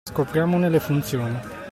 Scopriamone le funzioni.